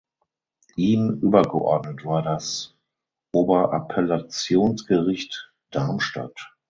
Ihm übergeordnet war das Oberappellationsgericht Darmstadt.